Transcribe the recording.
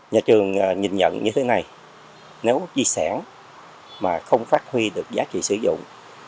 nhà trường nhìn nhận như thế này nếu di sản mà không phát huy được giá trị sử dụng